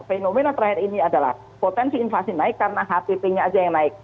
fenomena terakhir ini adalah potensi inflasi naik karena hpp nya saja yang naik